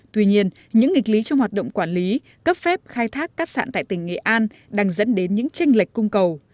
tuy nhiên những nghịch lý trong hoạt động quản lý cấp phép khai thác cát sạn tại tỉnh nghệ an đang dẫn đến những tranh lệch cung cầu